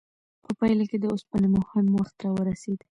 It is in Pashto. په پایله کې د اوسپنې مهم وخت راورسید.